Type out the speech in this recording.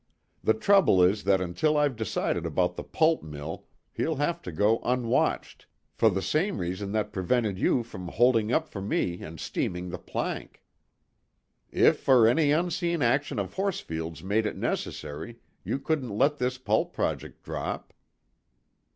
"The trouble is that until I've decided about the pulp mill he'll have to go unwatched, for the same reason that prevented you from holding up for me and steaming the plank." "If any unforeseen action of Horsfield's made it necessary, you could let this pulp project drop."